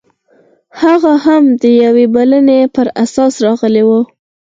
هغه هم د یوې بلنې پر اساس راغلی و